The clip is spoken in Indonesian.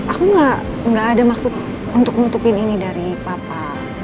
aku nggak ada maksud untuk nutupin ini dari papa